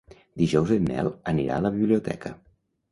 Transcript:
Dijous en Nel anirà a la biblioteca.